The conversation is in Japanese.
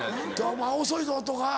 「お前遅いぞ」とか。